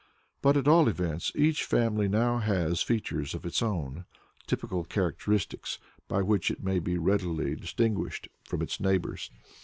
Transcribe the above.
But at all events each family now has features of its own, typical characteristics by which it may be readily distinguished from its neighbors.